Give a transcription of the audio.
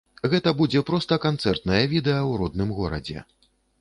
Гэта будзе проста канцэртнае відэа ў родным горадзе.